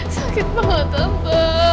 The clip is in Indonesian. sakit banget tante